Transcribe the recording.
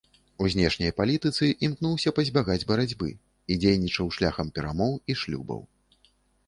У знешняй палітыцы імкнуўся пазбягаць барацьбы і дзейнічаў шляхам перамоў і шлюбаў.